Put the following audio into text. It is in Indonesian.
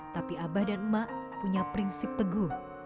tapi abah dan emak punya prinsip teguh